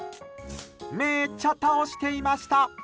めっちゃ倒していました。